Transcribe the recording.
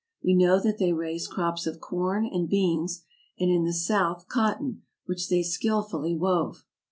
We know that they raised crops of corn and beans, and in the south cotton, which they skillfully wove.